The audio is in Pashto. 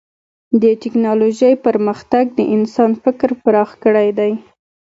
د ټکنالوجۍ پرمختګ د انسان فکر پراخ کړی دی.